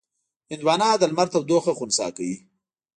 هندوانه د لمر تودوخه خنثی کوي.